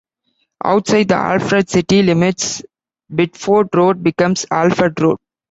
Outside the Alfred city limits, Biddeford Road becomes "Alfred Road".